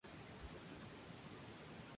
Jesús sana a muchos.